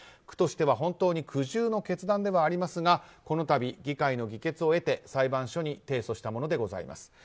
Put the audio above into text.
区としては本当に苦渋の決断ではありますがこの度、議会の議決を得て裁判所に提訴したものでございます。